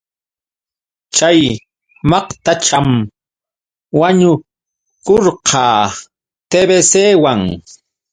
Chay maqtacham wañukurqa TBCwan.